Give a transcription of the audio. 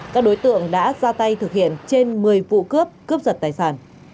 các đối tượng đã ra tay thực hiện trên một mươi vụ cướp cướp giật tài sản